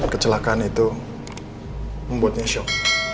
kecelakaan itu membuatnya shock